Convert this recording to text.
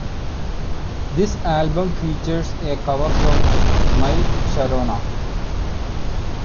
This album features a cover song My Sharona.